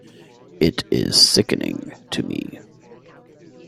It's sickening to me.